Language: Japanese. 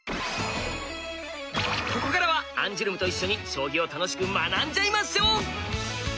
ここからはアンジュルムと一緒に将棋を楽しく学んじゃいましょう！